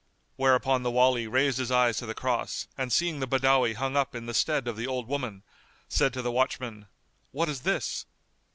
Whereupon the Wali raised his eyes to the cross and seeing the Badawi hung up in the stead of the old woman, said to the watchmen, "What is this?"